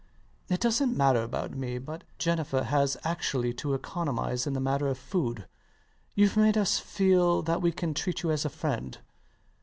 It doesnt matter about me; but Jennifer has actually to economize in the matter of food. Youve made us feel that we can treat you as a friend.